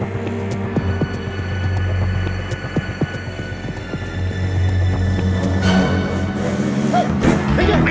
pegat pegat tem lew